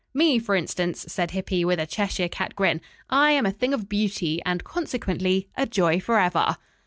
"Me, for instance," said Hippy, with a Cheshire cat grin. "I am a thing of beauty, and, consequently, a joy forever."